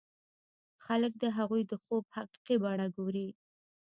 خلک د هغوی د خوب حقيقي بڼه ګوري.